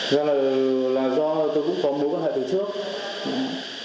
do này là do tôi cũng có mối quan hệ từ trước